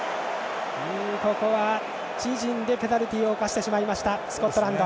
ここは、自陣でペナルティーを犯してしまいましたスコットランド。